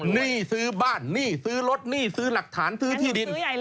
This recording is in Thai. หนี้ซื้อบ้านหนี้ซื้อรถหนี้ซื้อหลักฐานซื้อที่ดิน